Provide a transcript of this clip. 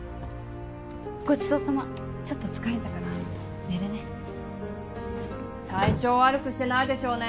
ごちそうさまちょっと疲れたから寝るね体調悪くしてないでしょうね